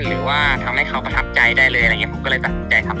หรือว่าทำให้เขาประทับใจได้เลยอะไรอย่างนี้ผมก็เลยตัดสินใจครับ